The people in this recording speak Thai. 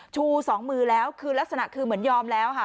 ชูสองมือแล้วคือลักษณะคือเหมือนยอมแล้วค่ะ